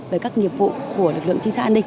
về các nhiệm vụ của lực lượng chính sách an ninh